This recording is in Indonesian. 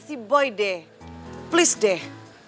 si boy day please deh